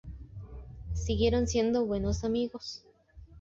Siguieron siendo buenos amigos.